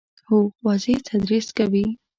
هو، واضح تدریس کوي